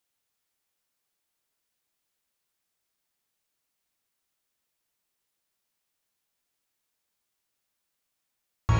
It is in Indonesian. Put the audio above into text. aku mau pergi ke rumah kamu